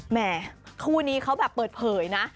แม่คู่นี้เขาแบบเปิดเผยนะ